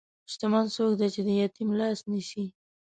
شتمن څوک دی چې د یتیم لاس نیسي.